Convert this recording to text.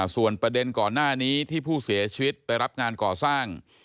ส่วนประเด็นก่อนหน้านี้ที่ผู้เสียชีวิตไปรับงานก่อสร้าง